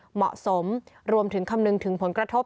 เหมาะสมรวมถึงคำนึงถึงผลกระทบ